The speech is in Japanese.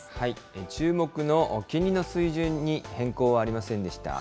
注目の金利の水準に変更はありませんでした。